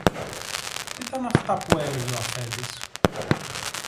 Τι ήταν αυτά που έλεγε ο αφέντης;